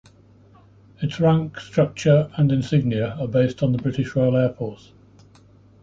Its rank structure and insignia are based on the British Royal Air Force.